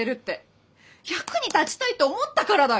役に立ちたいって思ったからだよ！